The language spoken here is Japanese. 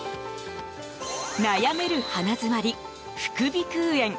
悩める鼻づまり、副鼻腔炎。